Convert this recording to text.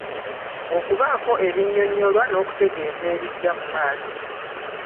Okubaako ebinnyonnyolwa n’okutegeeza ebijja mu maaso.